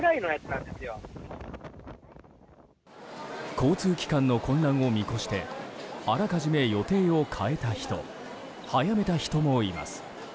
交通機関の混乱を見越してあらかじめ予定を変えた人早めた人もいます。